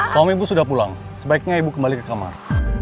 suamimu sudah pulang sebaiknya ibu kembali ke kamar